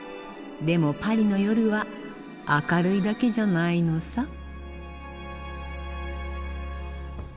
でもパリの夜は明るいだけじゃないのさ。